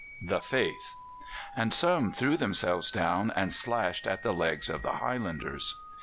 ("The faith!"), and some threw themselves down and slashed at the legs of the Highlanders.